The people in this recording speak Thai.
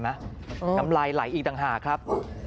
น้ำลายไหลอีกต่างหากครับ